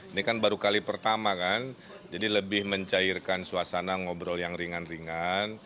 ini kan baru kali pertama kan jadi lebih mencairkan suasana ngobrol yang ringan ringan